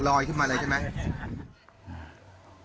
ลอยขึ้นมาเลยใช่ไหม